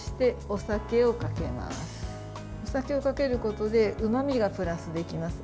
お酒をかけることでうまみがプラスできます。